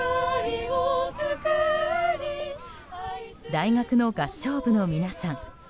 大学の合唱部の皆さん。